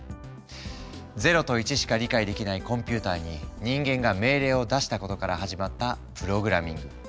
０と１しか理解できないコンピューターに人間が命令を出したことから始まったプログラミング。